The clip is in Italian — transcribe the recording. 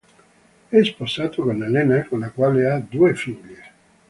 È sposato con Elena, con la quale ha due figlie.